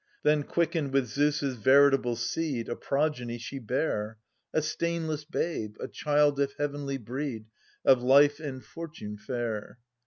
Then quickened with Zeus' veritable seed, A progeny she bare, ^/:JCrX^ A stainless babe, a child of heavenly breed. Of life and fortune fair.